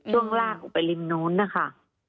ช่วงล่างออกไปริมโน้นนะคะ